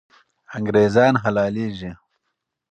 انګریزان حلالېږي.